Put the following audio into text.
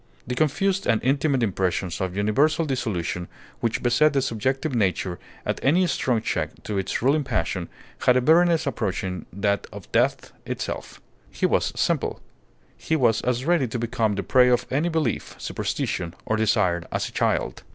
The confused and intimate impressions of universal dissolution which beset a subjective nature at any strong check to its ruling passion had a bitterness approaching that of death itself. He was simple. He was as ready to become the prey of any belief, superstition, or desire as a child.